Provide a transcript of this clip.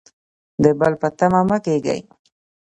د بل په تمه مه کیږئ